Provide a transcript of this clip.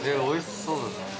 おいしそうだね！